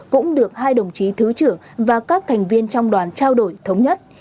cũng được hai đồng chí thứ trưởng và các thành viên trong đoàn trao đổi thống nhất